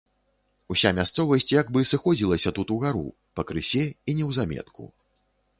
Уся мясцовасць як бы сыходзілася тут угару, пакрысе і неўзаметку.